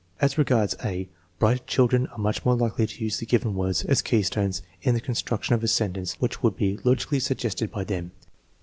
As regards (a), bright children are much more likely to use the given words as keystones in the construction of a sentence which would be logically suggested by them.